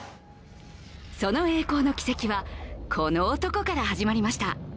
その栄光の軌跡はこの男から始まりました。